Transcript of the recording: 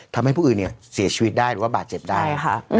ทำให้ผู้อื่นเนี่ยเสียชีวิตได้หรือว่าบาดเจ็บได้